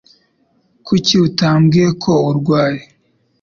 Kuki utambwiye ko urwaye?